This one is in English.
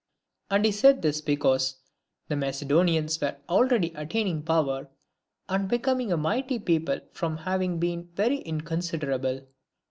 And he said this because the Macedonians were already attaining power, and becoming a mighty people from having been very inconsiderable.